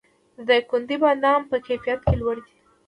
د دایکنډي بادام په کیفیت کې لوړ دي